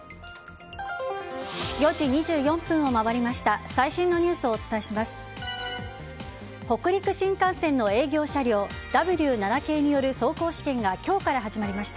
４時２４分を回りました。